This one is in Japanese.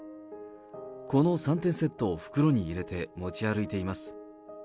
この３点セットを袋に入れて持ち歩いています。